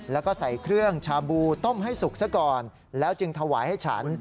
แล้วก็ใส่เครื่องชาบูต้มให้สุกซะก่อนแล้วจึงถวายให้ฉัน